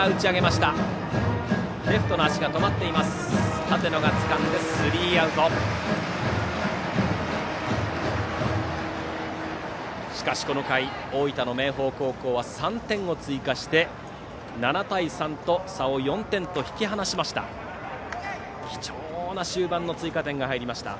しかしこの回、大分の明豊高校は３点を追加して７対３と差を４点と引き離しました。